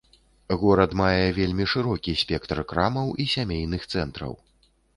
Горад мае вельмі шырокі спектр крамаў і сямейных цэнтраў.